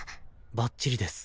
ばっちりです。